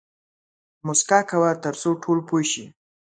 موسکا کوه تر څو ټول پوه شي